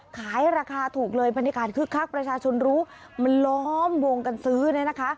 ขายราคาถูกเลยบรรยากาศคึกคักประชาชนรู้มันล้อมวงกันซื้อเนี่ยนะคะ